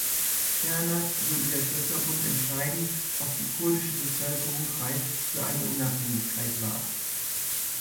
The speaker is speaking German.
Ferner würde der Völkerbund entscheiden, ob die kurdische Bevölkerung reif für eine Unabhängigkeit war.